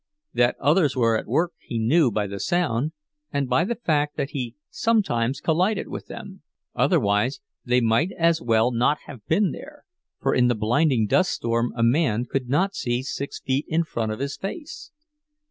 That others were at work he knew by the sound, and by the fact that he sometimes collided with them; otherwise they might as well not have been there, for in the blinding dust storm a man could not see six feet in front of his face.